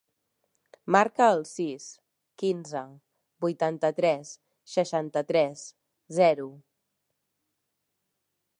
Marca el sis, quinze, vuitanta-tres, seixanta-tres, zero.